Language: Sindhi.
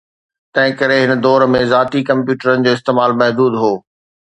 تنهن ڪري، هن دور ۾ ذاتي ڪمپيوٽرن جو استعمال محدود هو